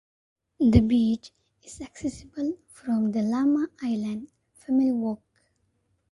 The beach is accessible from the Lamma Island Family Walk.